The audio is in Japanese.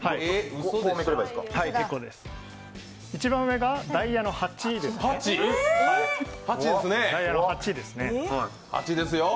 一番上が、ダイヤの８ですね。